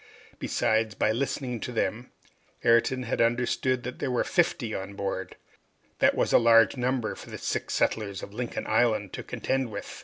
Besides, by listening to them, Ayrton had understood that there were fifty on board. That was a large number for the six settlers of Lincoln Island to contend with!